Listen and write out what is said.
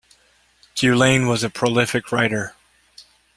Guillain was a prolific writer.